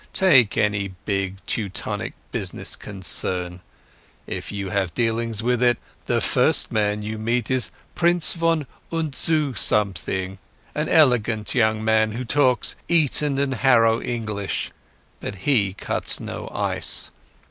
Take any big Teutonic business concern. If you have dealings with it the first man you meet is Prince von und zu Something, an elegant young man who talks Eton and Harrow English. But he cuts no ice.